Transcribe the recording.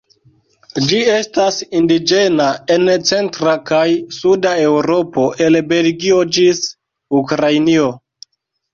Ĝi estas indiĝena en centra kaj suda Eŭropo el Belgio ĝis Ukrainio.